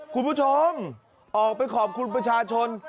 คุณผู้ชมออกไปขอบคุณประชาชน